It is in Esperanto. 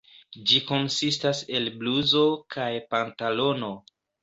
Ĝi konsistas el bluzo kaj pantalono.